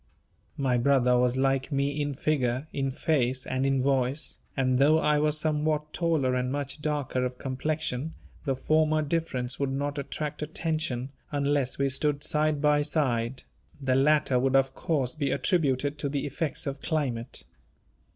My brother was like me in figure, in face, and in voice; and though I was somewhat taller and much darker of complexion, the former difference would not attract attention, unless we stood side by side; the latter would of course be attributed to the effects of climate.